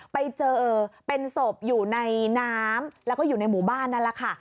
ไปเจอเป็นศพอยู่ในน้ำแล้วก็อยู่ในหมู่บ้านนั่นแหละค่ะ